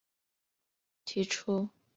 提出改进工作的意见建议